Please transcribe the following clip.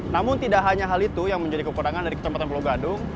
namun tidak hanya hal itu yang menjadi kekurangan dari kecamatan pulau gadung